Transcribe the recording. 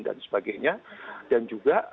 dan sebagainya dan juga